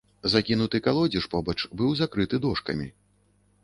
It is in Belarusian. Закінуты калодзеж побач быў закрыты дошкамі.